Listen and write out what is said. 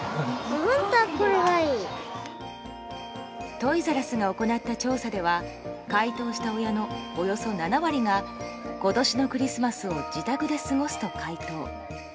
トイザらスが行った調査では回答した親のおよそ７割が今年のクリスマスを自宅で過ごすと回答。